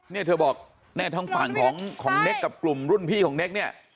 เนี่ยเธอบอกแน่ทางฝั่งของเน็กกับกลุ่มรุ่นพี่ของเน็กเนี่ย